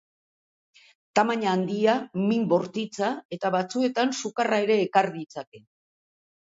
Tamaina handia, min bortitza eta batzuetan sukarra ere ekar ditzake.